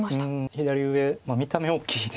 左上見た目大きいですよね